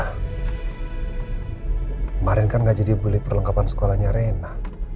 kemarin kan gak jadi beli perlengkapan sekolahnya reina